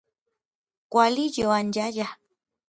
Kuali yoanyayaj.